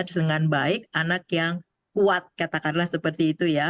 dengan baik anak yang kuat katakanlah seperti itu ya